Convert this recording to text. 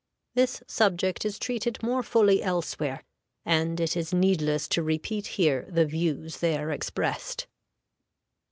This subject is treated more fully elsewhere, and it is needless to repeat here the views there expressed.